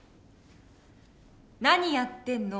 「何やってんの。